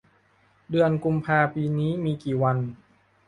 เดือนกุมภาปีนี้มีกี่วัน